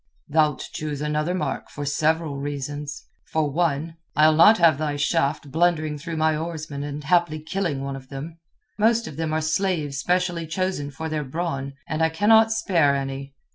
"Thou'lt choose another mark for several reasons. For one, I'll not have thy shaft blundering through my oarsmen and haply killing one of them. Most of them are slaves specially chosen for their brawn, and I cannot spare any.